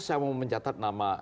saya mau mencatat nama